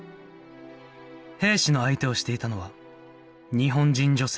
兵士の相手をしていたのは日本人女性